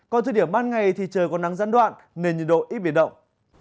còn thời điểm ban ngày thì trời còn nắng gián đoạn nên nhiệt độ ít biệt động